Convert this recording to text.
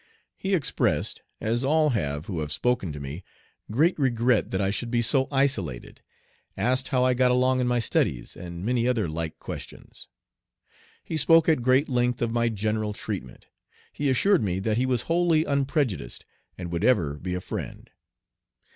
He expressed as all have who have spoken to me great regret that I should be so isolated, asked how I got along in my studies, and many other like questions. He spoke at great length of my general treatment. He assured me that he was wholly unprejudiced, and would ever be a friend.